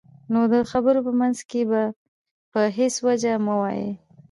نو د خبرو په منځ کې په هېڅ وجه مه وایئ.